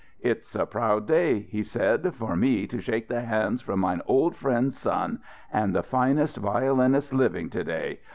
"It's a proud day," he said, "for me to shake the hands from mine old friend's son and the finest violinist living to day.